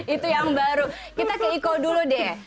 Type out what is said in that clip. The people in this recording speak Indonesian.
itu yang baru kita ke iko dulu deh